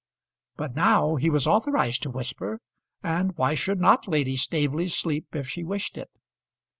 But now he was authorised to whisper, and why should not Lady Staveley sleep if she wished it?